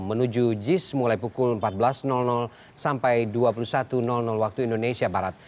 menuju jis mulai pukul empat belas sampai dua puluh satu waktu indonesia barat